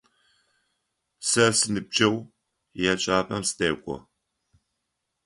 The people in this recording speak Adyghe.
Сэ синыбджэгъу еджапӏэм сыдэкӏо.